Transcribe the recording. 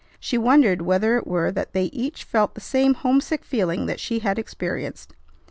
She wondered whether it were that they each felt the same homesick feeling that she had experienced.